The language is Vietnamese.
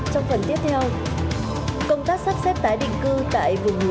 trong phần tiếp theo công tác sắp xếp tái định cư tại vùng núi